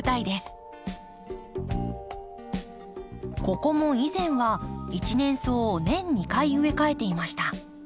ここも以前は一年草を年２回植え替えていました。